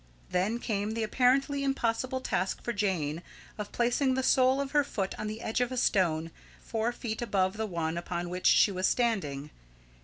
Then came the apparently impossible task for Jane, of placing the sole of her foot on the edge of a stone four feet above the one upon which she was standing.